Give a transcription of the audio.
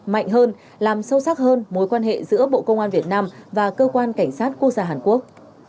mạnh hơn làm sâu sắc hơn mối quan hệ giữa bộ công an việt nam và cơ quan cảnh sát quốc gia hàn quốc